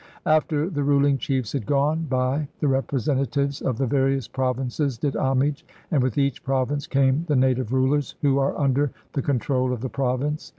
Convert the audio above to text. After the ruling chiefs had gone by, the representa tives of the various provinces did homage, and with each province came the native rulers, who are under the control of the province.